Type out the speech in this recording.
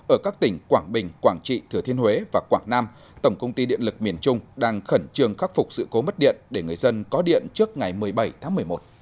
ở các tỉnh quảng bình quảng trị thừa thiên huế và quảng nam tổng công ty điện lực miền trung đang khẩn trương khắc phục sự cố mất điện để người dân có điện trước ngày một mươi bảy tháng một mươi một